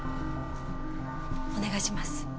お願いします。